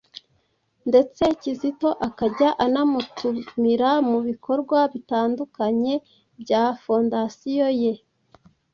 ndetse Kizito akajya anamutumira mu bikorwa bitandukany bya fondasiyo ye